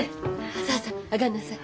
さあさあ上がんなさい。